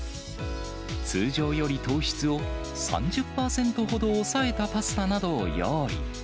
通常より糖質を３０％ほど抑えたパスタなどを用意。